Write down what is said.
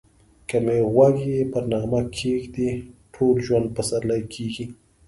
که می غوږ پر نغمه کښېږدې ټوله ژوند پسرلی کېږی